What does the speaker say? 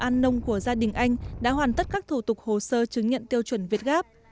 an nông của gia đình anh đã hoàn tất các thủ tục hồ sơ chứng nhận tiêu chuẩn việt gáp